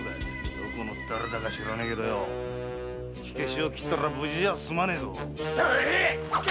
どこの誰だか知らねえけど火消を斬ったら無事じゃあ済まねえぞ。